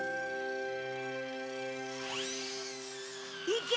いけ！